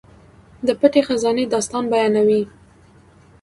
د پټې خزانې داستان بیانوي.